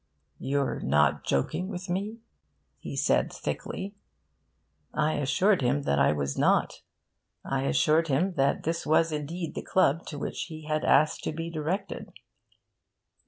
'You're not joking with me?' he said thickly. I assured him that I was not. I assured him that this was indeed the club to which he had asked to be directed.